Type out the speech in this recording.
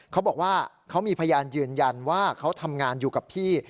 เขาบอกว่าเขามีพยานยืนยันว่าเขาทำงานอยู่กับพี่